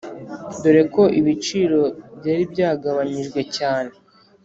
dore ko ibiciro byari byagabanyijwe cyane